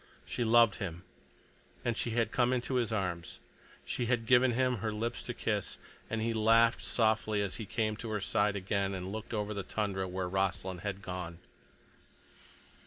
She loved him, and she had come into his arms. She had given him her lips to kiss. And he laughed softly as he came to her side again, and looked over the tundra where Rossland had gone.